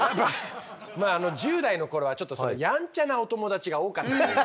１０代の頃はちょっとそのやんちゃなお友達が多かったというか。